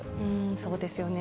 そうですよね。